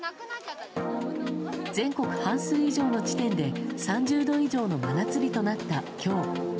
全国半数以上の地点で３０度以上の真夏日となった今日。